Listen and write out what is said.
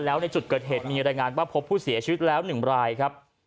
แล้วในจุดเกิดเหตุมีรายงานว่าพบผู้เสียชีวิตแล้ว๑รายครับ